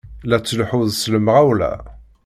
La tleḥḥuḍ s lemɣawla!